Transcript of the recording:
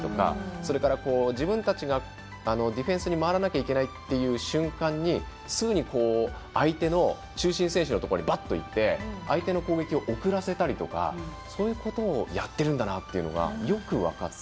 それから、自分たちがディフェンスに回らなきゃいけないという瞬間にすぐに相手の中心選手のところにバッと行って、相手の攻撃を遅らせたりとか、そういうことをやってるんだなというのがよく分かって。